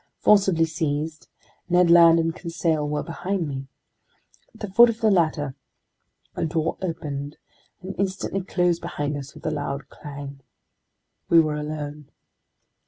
Forcibly seized, Ned Land and Conseil were behind me. At the foot of the ladder, a door opened and instantly closed behind us with a loud clang. We were alone.